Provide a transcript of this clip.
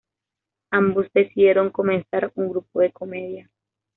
Ambos decidieron comenzar un grupo de comedia.